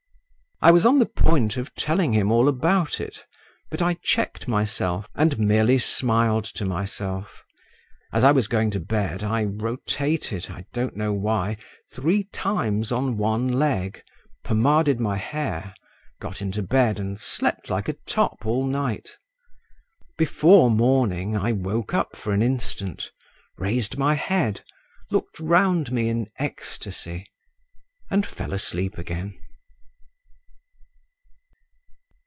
I was on the point of telling him all about it, but I checked myself, and merely smiled to myself. As I was going to bed, I rotated—I don't know why—three times on one leg, pomaded my hair, got into bed, and slept like a top all night. Before morning I woke up for an instant, raised my head, looked round me in ecstasy, and fell asleep again.